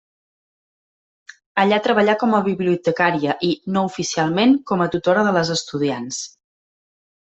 Allà treballà com a bibliotecària i, no oficialment, com a tutora de les estudiants.